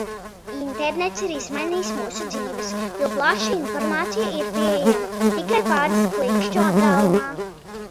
Internets ir izmainījis mūsu dzīves, jo plaša informācija ir pieejama tikai pāris klikšķu attālumā.